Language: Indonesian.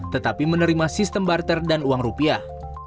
tetapi menerima sistem barter dan uang rupiah